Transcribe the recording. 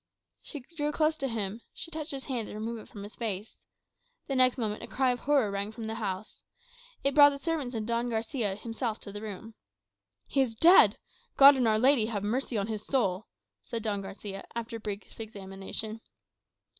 _" She drew close to him; she touched his hand to remove it from his face. The next moment a cry of horror rang through the house. It brought the servants and Don Garçia himself to the room. "He is dead! God and Our Lady have mercy on his soul!" said Don Garçia, after a brief examination.